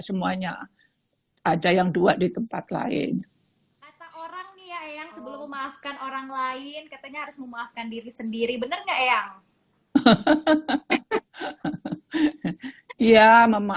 sederhana nysia harus mengadakan pemerintah lebih baru